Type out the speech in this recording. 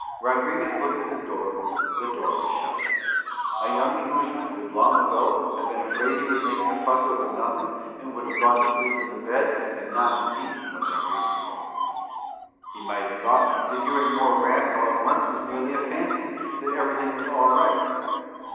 Rodriguez looked at the door, the door was shut. A young Englishman would long ago have been afraid that he was making a fuss over nothing and would have gone to sleep in the bed, and not seen what Rodriguez saw. He might have thought that hearing more rats all at once was merely a fancy, and that everything was all right.